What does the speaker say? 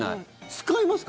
使いますか？